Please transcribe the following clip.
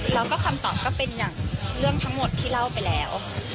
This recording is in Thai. แล้วก็คำตอบก็เป็นอย่างเรื่องทั้งหมดที่เล่าไปแล้ว